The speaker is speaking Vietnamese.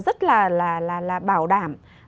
rất là bảo đảm